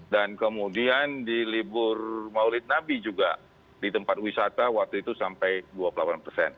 dan kemudian di libur maulid nabi juga di tempat wisata waktu itu sampai dua puluh delapan persen